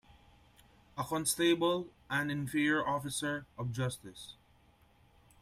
A constable an inferior officer of justice.